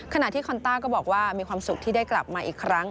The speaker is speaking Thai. ขณะที่คอนต้าก็บอกว่ามีความสุขที่ได้กลับมาอีกครั้ง